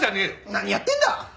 何やってんだ！